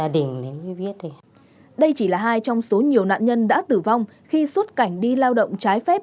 đây chỉ là hai trong số nhiều nạn nhân đã tử vong khi xuất cảnh đi lao động trái phép